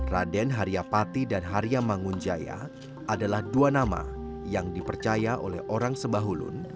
raden hariapati dan hariam mangunjaya adalah dua nama yang dipercaya oleh orang sembahulun